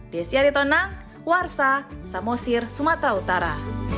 saya ketonang warsa sama usir sumatera utara